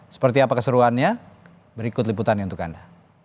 seperti apa keseruannya berikut liputannya untuk anda